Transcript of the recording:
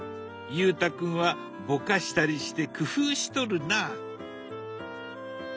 裕太君はぼかしたりして工夫しとるな。